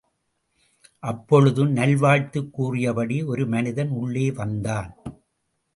அப்பொழுது நல்வாழ்த்துக் கூறியபடி ஒரு மனிதன் உள்ளே வந்தான்.